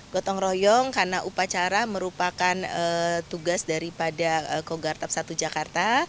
gotong royong karena upacara merupakan tugas daripada kogartap satu jakarta